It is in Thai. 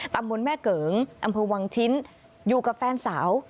ตำบลแม่เกิงอำเภอวังชิ้นอยู่กับแฟนสาว